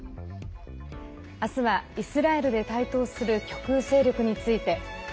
明日は、イスラエルで台頭する極右勢力について。